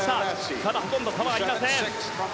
ただ、ほとんど差はありません。